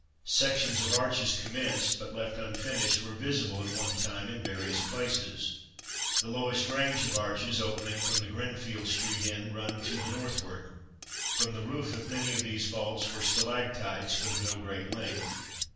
Sections of arches commenced, but left unfinished, were visible at one time in various places. The lowest range of arches opening from the Grinfield street end run to the northward. From the roof of many of these vaults were stalactites, but of no great length.